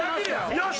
よし！